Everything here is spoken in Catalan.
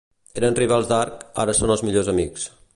Eren rivals d'arc, ara són els millors amics.